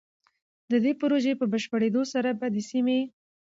د دې پروژې په بشپړېدو سره به د سيمې